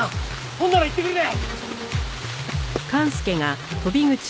ほんなら行ってくるで！